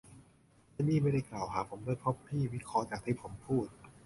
และนี่ไม่ได้กล่าวหาผมด้วย เพราะพี่วิเคราะห์จากที่ผมพูด !